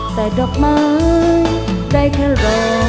แต่ดอกไม้ได้แค่รอ